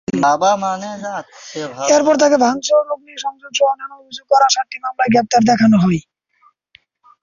এরপর তাঁকে ভাঙচুর, অগ্নিসংযোগসহ নানা অভিযোগে করা সাতটি মামলায় গ্রেপ্তার দেখানো হয়।